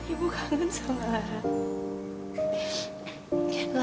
ibu kangen sama lara